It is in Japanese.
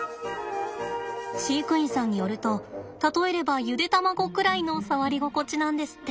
飼育員さんによると例えればゆで卵くらいの触り心地なんですって。